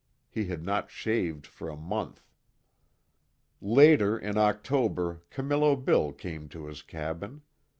He had not shaved for a month. Later in October Camillo Bill came to his cabin.